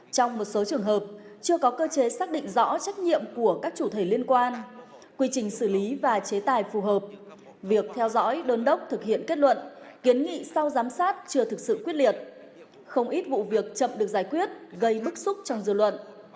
trong một số trường hợp chưa có cơ chế xác định rõ trách nhiệm của các chủ thể liên quan quy trình xử lý và chế tài phù hợp việc theo dõi đôn đốc thực hiện kết luận kiến nghị sau giám sát chưa thực sự quyết liệt không ít vụ việc chậm được giải quyết gây bức xúc trong dư luận